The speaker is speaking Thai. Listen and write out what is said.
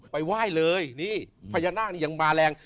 ไปไหว้เลยนี่พญานาคนี่ยังมาแรง